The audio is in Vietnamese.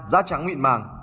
da trắng mịn màng